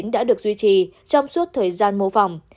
đã được duy trì trong suốt thời gian mô phỏng